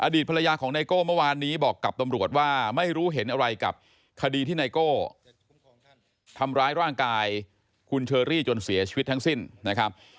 ภรรยาของไนโก้เมื่อวานนี้บอกกับตำรวจว่าไม่รู้เห็นอะไรกับคดีที่ไนโก้ทำร้ายร่างกายคุณเชอรี่จนเสียชีวิตทั้งสิ้นนะครับ